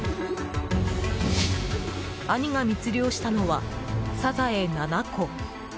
兄が密漁したのはサザエ７個。